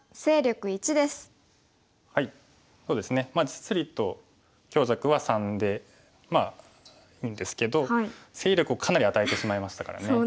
実利と強弱は３でまあいいんですけど勢力をかなり与えてしまいましたからね。